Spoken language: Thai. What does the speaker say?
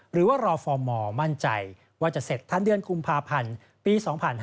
หรือว่ารอฟอร์มมั่นใจว่าจะเสร็จทันเดือนกุมภาพันธ์ปี๒๕๕๙